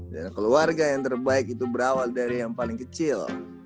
dan keluarga yang terbaik itu berawal dari yang paling kecil